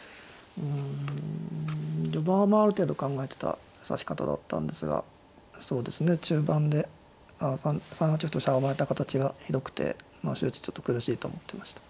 うん序盤はまあある程度考えてた指し方だったんですがそうですね中盤で３八歩としゃがまれた形がひどくてまあ終始ちょっと苦しいと思ってました。